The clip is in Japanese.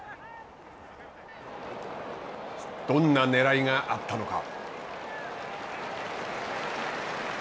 どんなねらいがあったのか。